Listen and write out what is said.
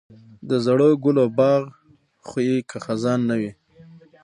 د ژړو ګلو باغ خو یې که خزان نه وي.